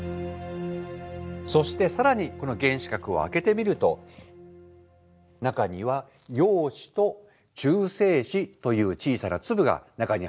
そして更にこの原子核を開けてみると中には陽子と中性子という小さな粒が中に入っているわけです。